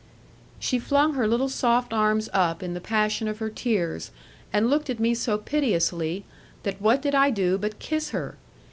She flung her little soft arms up in the passion of her tears, and looked at me so piteously, that what did I do but kiss her.